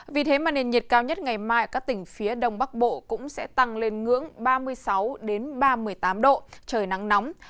vì thế mà nền nhiệt cao nhất ngày mai ở các tỉnh phía đông bắc bộ cũng sẽ tăng lên ngưỡng ba mươi sáu ba mươi tám độ trời nắng nóng